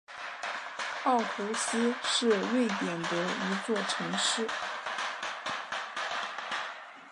奥胡斯是瑞典的一座城市。